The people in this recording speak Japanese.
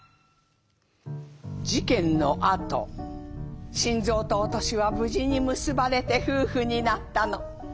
「事件のあと新蔵とお敏は無事に結ばれて夫婦になったの。